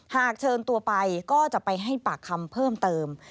หากเชิญตัวไปก็จะไปให้ปากคำเพิ่มเติม